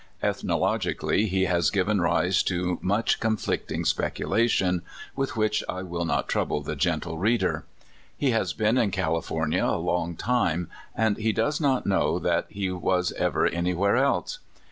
Ethnologically he has given rise to much conflicting speculation, with which I will not trouble the gentle reader. He has been in California a long time, and he does not know that he was ever anywhere else.